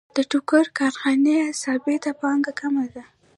د ټوکر کارخانې ثابته پانګه کمه ده